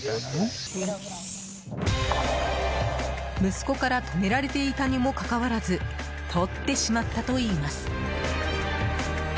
息子から止められていたにもかかわらずとってしまったといいます。